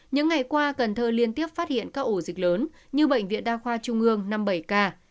những ngày qua cần thơ liên tiếp phát hiện các ổ dịch lớn như bệnh viện đa khoa trung ương năm mươi bảy k